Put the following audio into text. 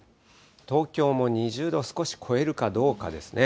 東京も２０度少し超えるかどうかですね。